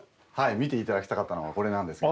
見て頂きたかったのはこれなんですよ。